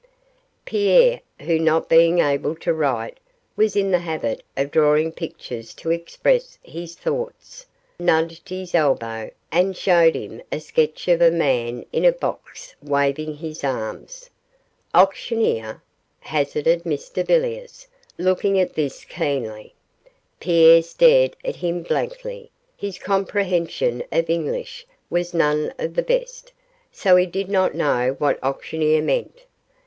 Pierre who not being able to write, was in the habit of drawing pictures to express his thoughts nudged his elbow and showed him a sketch of a man in a box waving his arms. 'Auctioneer?' hazarded Mr Villiers, looking at this keenly. Pierre stared at him blankly; his comprehension of English was none of the best, so he did not know what auctioneer meant.